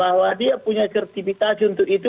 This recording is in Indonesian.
bahwa dia punya sertifikasi untuk itu